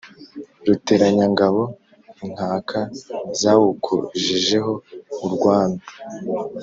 Ruteranyangabo, inkaka zawukojejeho urwano